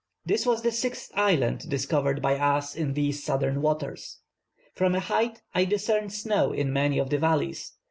This was the sixth island discovered by us in these southern waters. From a height I discerned snow in many of the valleys.